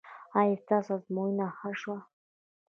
ایا ستاسو ازموینه ښه شوه؟